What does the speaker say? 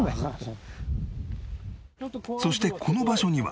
そしてこの場所には